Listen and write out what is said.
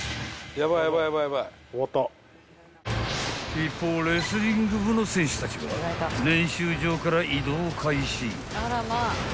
［一方レスリング部の選手たちは練習場から移動開始］